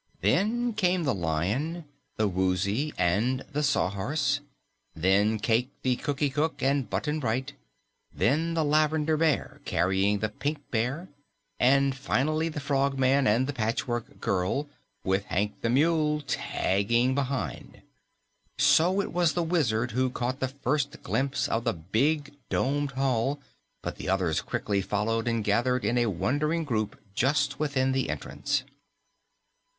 Then came the Lion, the Woozy and the Sawhorse, then Cayke the Cookie Cook and Button Bright, then the Lavender Bear carrying the Pink Bear, and finally the Frogman and the Patchwork Girl, with Hank the Mule tagging behind. So it was the Wizard who caught the first glimpse of the big, domed hall, but the others quickly followed and gathered in a wondering group just within the entrance.